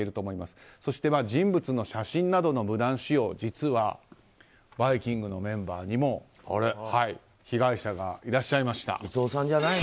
そして人物の写真などの無断使用、実は「バイキング」のメンバーにも被害者がいらっしゃいました。